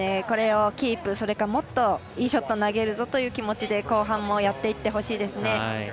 これをキープそれからもっといいショット投げるぞという気持ちで後半もやっていってほしいですね。